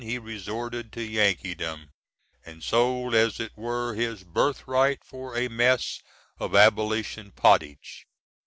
he resorted to Yankeedom, and sold as it were his birthright for a mess of Abolition pottage.